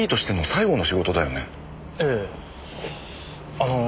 あの。